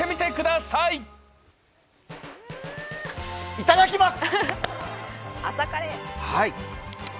いただきます！